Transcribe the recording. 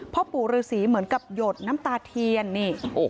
พ่อปู่ฤษีเหมือนกับหยดน้ำตาเทียนนี่